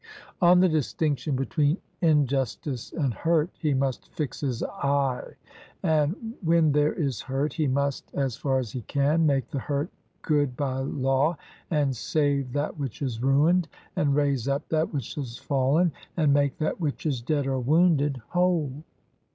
On the distinction between injustice and hurt he must fix his eye; and when there is hurt, he must, as far as he can, make the hurt good by law, and save that which is ruined, and raise up that which is fallen, and make that which is dead or wounded whole.